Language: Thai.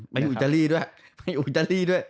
ไปอยู่อุจารย์ด้วย